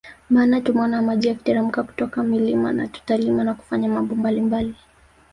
Maana tumeona maji yakiteremka toka milimani na tutalima na kufanya mambo mbalimbali